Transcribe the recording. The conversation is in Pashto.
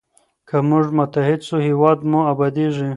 که موږ متحد سو هېواد مو ابادیږي.